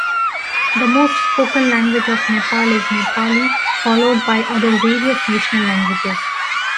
The most spoken language of Nepal is Nepali followed by other various national languages.